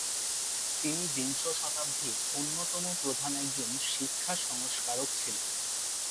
তিনি বিংশ শতাব্দীর অন্যতম প্রধান একজন শিক্ষা সংস্কারক ছিলেন।